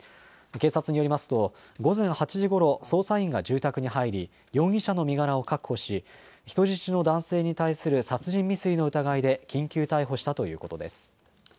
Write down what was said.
警察によりますと午前８時ごろ捜査員が住宅に入り容疑者の身柄を確保し人質の男性に対する殺人未遂の疑いで緊急逮捕したということです。